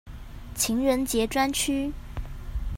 情人節專區